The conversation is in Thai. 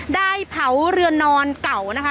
ได้เผาเรือนนอนเก่านะคะ